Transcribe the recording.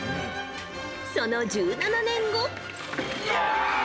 その１７年後。